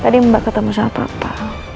tadi mbak ketemu sama pak pa